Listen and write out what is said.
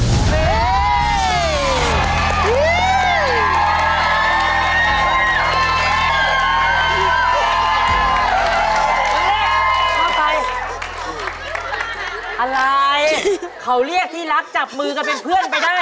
ตอนแรกตอนใกล้อะไรเขาเรียกที่รักจับมือกับเป็นเพื่อนไปได้